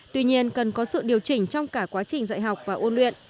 tuy nhiên cần có sự điều chỉnh trong cả quá trình dạy học và ôn luyện